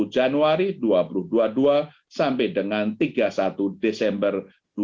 satu januari dua ribu dua puluh dua sampai dengan tiga puluh satu desember dua ribu dua puluh